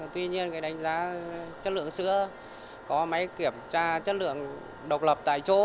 tuy nhiên đánh giá chất lượng sữa có máy kiểm tra chất lượng độc lập tại chỗ